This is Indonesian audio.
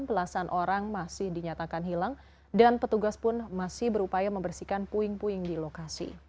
belasan orang masih dinyatakan hilang dan petugas pun masih berupaya membersihkan puing puing di lokasi